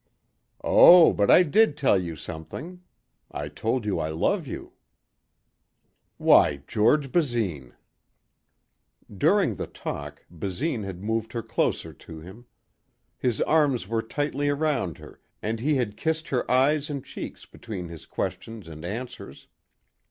"Oh but I did tell you something. I told you I love you." "Why, George Basine!" During the talk Basine had moved her closer to him. His arms were tightly around her and he had kissed her eyes and cheeks between his questions and answers.